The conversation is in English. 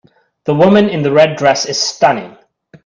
The woman in the red dress is stunning.